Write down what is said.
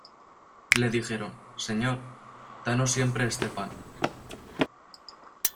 Le dijeron: Señor, danos siempre este pan.